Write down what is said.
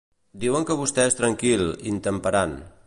Diuen que vostè és tranquil, intemperant.